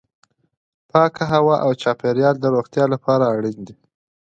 پاکه هوا او چاپیریال د روغتیا لپاره اړین دي.